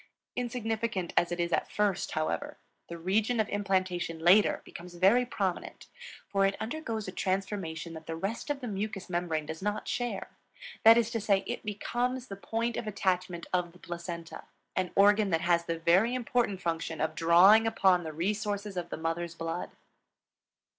Insignificant as it is at first, however, the region of implantation later becomes very prominent, for it undergoes a transformation that the rest of the mucous membrane does not share. That is to say, it becomes the point of attachment of the Placenta, an organ that has the very important function of drawing upon the resources of the mother's blood.